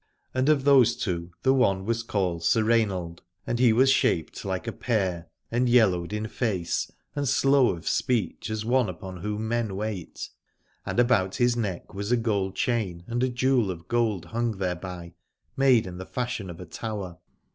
And of those two the one was called Sir Rainald, and he was shaped like a pear and yellowed in face, and slow of speech as one upon whom men wait : and about his neck was a gold chain, and a jewel of gold hung thereby, made in the fashion of a tower.